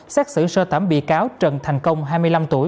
xét xử sơ thẩm bị cáo trần thành công hai mươi năm tuổi